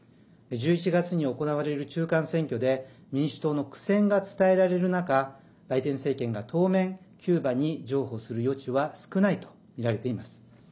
１１月に行われる中間選挙で民主党の苦戦が伝えられる中バイデン政権が当面、キューバに譲歩する余地は少ないとみられています。